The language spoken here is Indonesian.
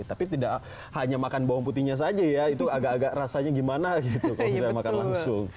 tapi tidak hanya makan bawang putihnya saja ya itu agak agak rasanya gimana gitu kalau misalnya makan langsung